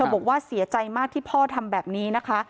บอกว่าเสียใจมากที่พ่อทำแบบนี้นะคะ